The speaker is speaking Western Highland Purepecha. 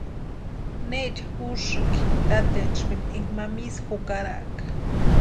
¿Neecha úsïnki tatetspeni enka ma misa jukaraka?